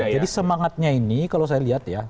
jadi semangatnya ini kalau saya lihat ya